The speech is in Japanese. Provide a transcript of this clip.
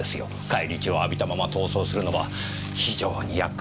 返り血を浴びたまま逃走するのは非常に厄介ですからね。